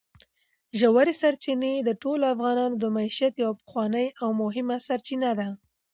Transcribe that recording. ژورې سرچینې د ټولو افغانانو د معیشت یوه پخوانۍ او مهمه سرچینه ده.